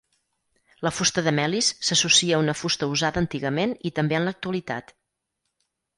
La fusta de melis s’associa a una fusta usada antigament, i també en l'actualitat.